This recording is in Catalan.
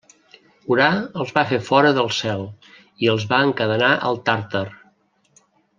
Urà els va fer fora del cel i els va encadenar al Tàrtar.